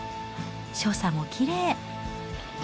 所作もきれい。